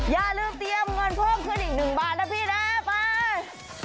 อย่าลืมเตรียมเงินพวกคุณอีกหนึ่งบาทนะพี่นะไป